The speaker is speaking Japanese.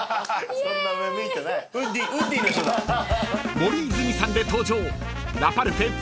［森泉さんで登場］